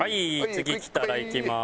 次きたらいきます。